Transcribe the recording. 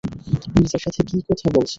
মির্জার সাথে কি কথা বলছেন?